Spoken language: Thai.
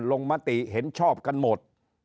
มติเห็นชอบกันหมด